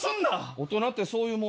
大人ってそういうもん。